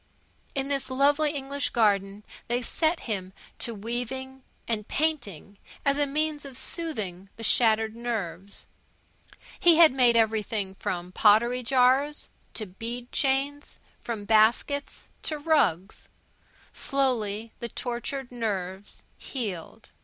In the lovely English garden they set him to weaving and painting, as a means of soothing the shattered nerves. He had made everything from pottery jars to bead chains; from baskets to rugs. Slowly the tortured nerves healed.